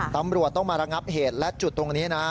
ตำรวจต้องมาระงับเหตุและจุดตรงนี้นะ